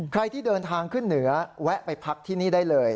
ใครที่เดินทางขึ้นเหนือแวะไปพักที่นี่ได้เลย